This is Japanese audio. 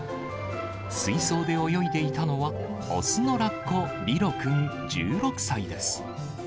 水槽で泳いでいたのは、雄のラッコ、リロくん１６歳です。